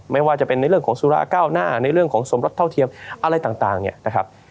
ไม่ว่าจะเป็นในเรื่องของสุราเก้าหน้าในเรื่องของสมรสเท่าเทียมอะไรต่างเนี่ยนะครับ